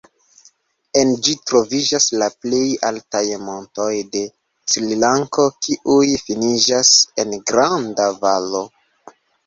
En ĝi troviĝas la plej altaj montoj de Srilanko kiuj finiĝas en granda valo.